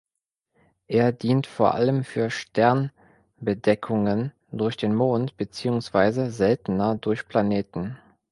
Er dient vor allem für Sternbedeckungen durch den Mond beziehungsweise (seltener) durch Planeten.